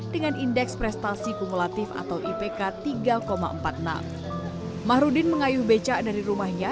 dengan indeks prestasi kumulatif atau ipk tiga empat puluh enam mahrudin mengayuh becak dari rumahnya